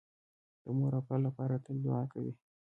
د مور او پلار لپاره تل دوعا کوئ